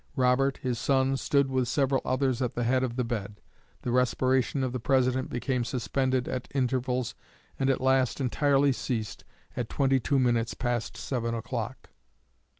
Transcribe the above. Robert, his son, stood with several others at the head of the bed. The respiration of the President became suspended at intervals, and at last entirely ceased at twenty two minutes past seven o'clock."